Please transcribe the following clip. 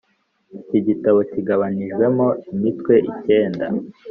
Iki gitabo kigabanijwemo imitwe ikenda